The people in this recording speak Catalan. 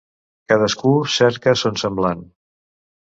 Cadascú cerca son semblant.